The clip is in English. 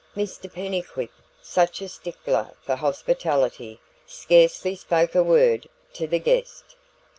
Mr Pennycuick, such a stickler for hospitality, scarcely spoke a word to the guest.